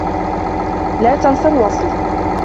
لا تنس الوصل.